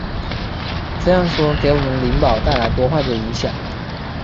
这样说给我们灵宝带来多坏的影响！